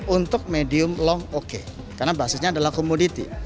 untuk medium long oke karena basisnya adalah komoditi